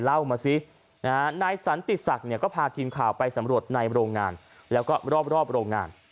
เล่ามาซินายสันติศักดิ์เนี่ยก็พาทีมข่าวไปสำรวจในโรงงานแล้วก็รอบโรงงาน